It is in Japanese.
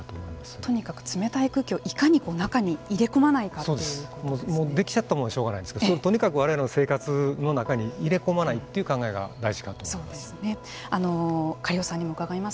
とにかく冷たい空気をいかに中に入れ込まないかできちゃったものはしょうがないんですけれどもとにかく我々の生活の中に入れ込まないという考えが大事かと思います。